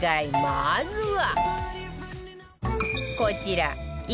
まずは